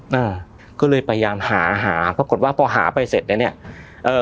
อเจมส์ก็เลยพยายามหาปรากฏว่าตอนหาไปเสร็จนี่